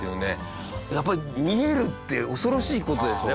やっぱり見えるって恐ろしい事ですね。